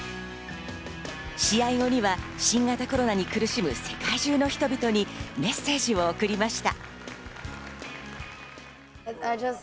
試合後には新型コロナに苦しむ世界中の人々にメッセージを送りました。